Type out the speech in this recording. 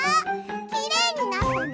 きれいになったね！